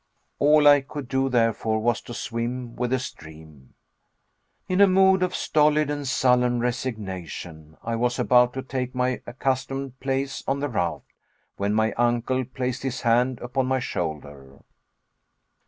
All I could do, therefore, was to swim with the stream. In a mood of stolid and sullen resignation, I was about to take my accustomed place on the raft when my uncle placed his hand upon my shoulder.